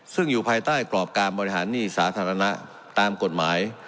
ซึ่งอยู่ภายใต้กรอบการบริหารหนี้สาธารณะตามกฎหมาย